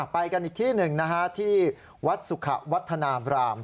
ไปกันอีกที่หนึ่งนะฮะที่วัดสุขวัฒนาบราม